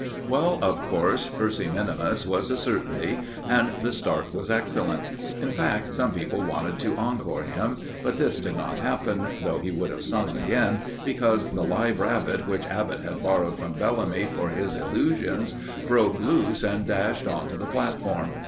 Well, of course, Percy minimus was a certainty, and the start was excellent. In fact, some people wanted to encore him; but this did not happen though he would have sung again because the live rabbit which Abbott had borrowed from Bellamy for his illusions broke loose and dashed on to the platform.